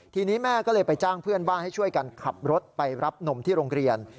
ทีนี้แม่ก็เลยไปจ้างเพื่อนบ้านให้ช่วยกันขับรถไปรับนมที่โรงเรียน